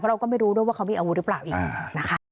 เราก็ไม่รู้ด้วยว่าเขามีอาวุธหรือเปล่าอีกนะคะ